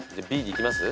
Ｂでいきます？